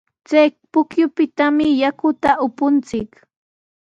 Chay pukyupitami yakuta upunchik.